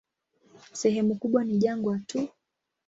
Sehemu kubwa ni jangwa tu.